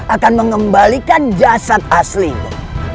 akan mengembalikan jasad aslinya